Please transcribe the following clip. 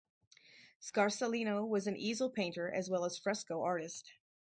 Scarsellino was an easel painter as well as a fresco artist.